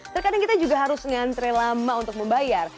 terkadang kita juga harus ngantre lama untuk membayar